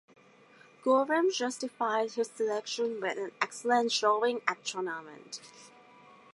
Goram justified his selection with an excellent showing at the tournament.